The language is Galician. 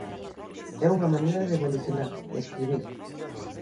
É unha maneira de evolucionar, de escribir.